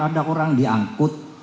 ada orang diangkut